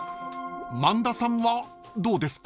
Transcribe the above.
［萬田さんはどうですか？］